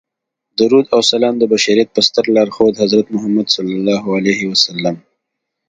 درود او سلام د بشریت په ستر لارښود حضرت محمد صلی الله علیه وسلم.